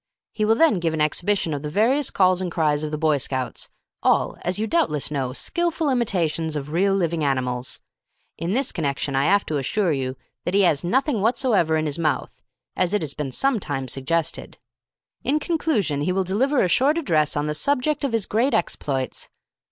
He will then give an exhibition of the various calls and cries of the Boy Scouts all, as you doubtless know, skilful imitations of real living animals. In this connection I 'ave to assure you that he 'as nothing whatsoever in 'is mouth, as it 'as been sometimes suggested. In conclusion he will deliver a short address on the subject of 'is great exploits.